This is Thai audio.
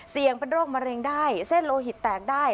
เสี่ยงเป็นโรคมะเร็งได้เส้นโลหิตแตกได้